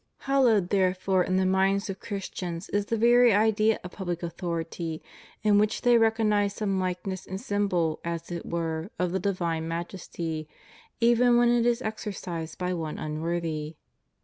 Hallowed therefore in the minds of Christians is the very idea of public authority, in which they recognize some likeness and symbol as it were of the divine Maj esty, even when it is exercised by one unworthy.